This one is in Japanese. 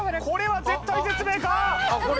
これは絶体絶命か！